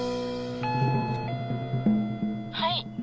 はい。